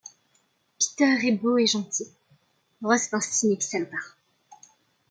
Peter est beau et gentil, Ross est un cynique salopard.